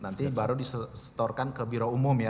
nanti baru disetorkan ke biro umum ya